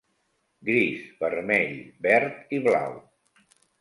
Gris, Vermell, Verd i Blau.